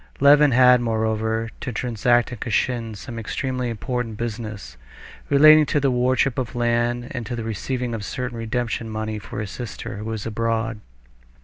Levin had, moreover, to transact in Kashin some extremely important business relating to the wardship of land and to the receiving of certain redemption money for his sister, who was abroad.